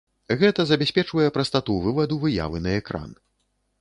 Гэта забяспечвае прастату вываду выявы на экран.